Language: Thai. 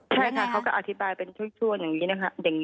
ใช่ค่ะเขาก็อธิบายเป็นช่วงอย่างนี้นะคะ